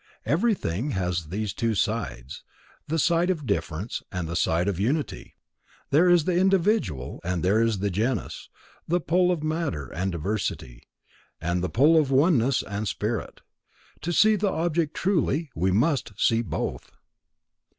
Everything has these two sides, the side of difference and the side of unity; there is the individual and there is the genus; the pole of matter and diversity, and the pole of oneness and spirit. To see the object truly, we must see both.